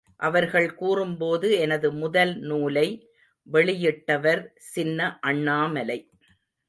அவர்கள் கூறும்போது, எனது முதல் நூலை வெளியிட்டவர் சின்ன அண்ணாமலை.